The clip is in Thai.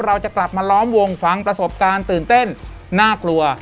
เราจะกลับมาล้อมวงฟังประสบการณ์ตื่นเต้นน่ากลัว